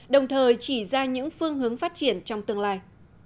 đồng thời chỉ ra những phương hướng phát triển trong tương lai